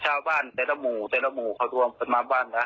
ชาวบ้านแต่ละหมู่แต่ละหมู่เขารวมเป็นมาบ้านละ๕๖พัน